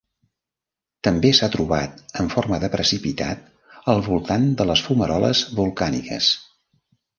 També s'ha trobat en forma de precipitat al voltant de les fumaroles volcàniques.